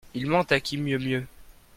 Ils mentent à qui mieux mieux.